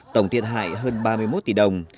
tổng thiệt hại hơn ba mươi một tỷ đồng